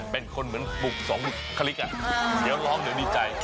เป็นคนเหมือนปลุกสองบุคลิกเดี๋ยวร้องเดี๋ยวดีใจ